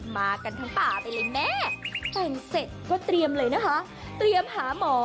มากันทั้งป่าไปเลยแม่แต่งเสร็จก็เตรียมเลยนะคะเตรียมหาหมอ